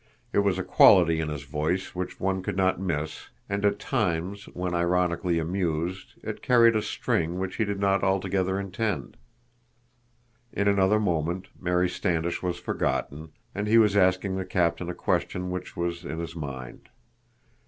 It was a quality in his voice which one could not miss, and at times, when ironically amused, it carried a sting which he did not altogether intend. In another moment Mary Standish was forgotten, and he was asking the captain a question which was in his mind.